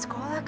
ya itu dong